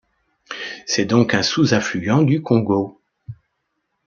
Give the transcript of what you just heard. C'est donc un sous-affluent du Congo.